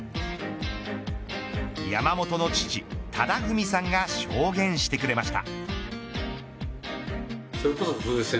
山本の父、忠文さんが証言してくれました。